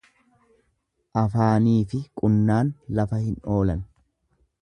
Afaanifi qunnaan lafa hin oolan.